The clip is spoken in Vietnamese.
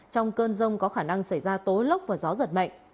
trong cơn rông có khả năng xảy ra tố lốc và gió giật mạnh